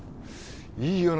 いいよな